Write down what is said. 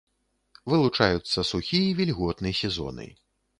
Вылучаюцца сухі і вільготны сезоны.